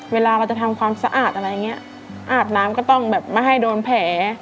เวลาเราจะทำความสะอาดอะไรอย่างนี้อาบน้ำก็ต้องแบบไม่ให้โดนแผล